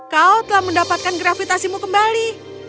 kau telah mendapatkan gravitasimu kembali